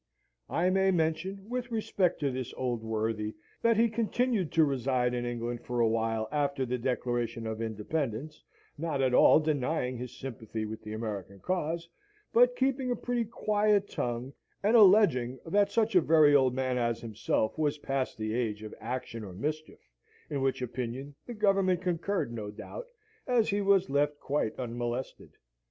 I may mention, with respect to this old worthy, that he continued to reside in England for a while after the Declaration of Independence, not at all denying his sympathy with the American cause, but keeping a pretty quiet tongue, and alleging that such a very old man as himself was past the age of action or mischief, in which opinion the Government concurred, no doubt, as he was left quite unmolested.